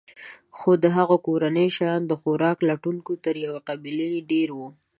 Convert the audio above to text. خو د هغوی کورنۍ شیان د خوراک لټونکو تر یوې قبیلې ډېر وو.